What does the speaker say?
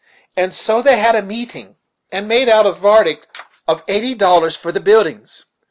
And so they had a meetin', and made out a vardict of eighty dollars for the buildin's.